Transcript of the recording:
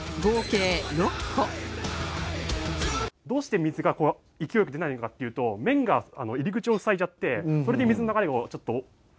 どうして水が勢いよく出ないのかっていうと麺が入り口を塞いじゃってそれで水の流れがちょっと。